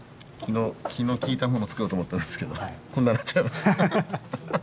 気の利いたもの作ろうと思ったんですけどこんななっちゃいました。